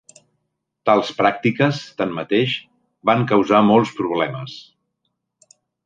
Tals pràctiques, tanmateix, van causar molts problemes.